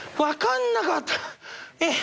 分かんなかった。